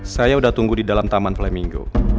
saya udah tunggu di dalam taman preminggu